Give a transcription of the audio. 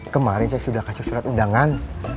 kemarin saya sudah kasih surat undangan